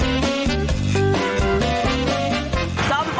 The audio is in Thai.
อ๋อแล้วนี่เธอสายกินไข่อีกไหมหนู